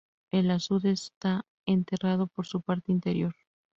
El azud está enterrado por su parte interior.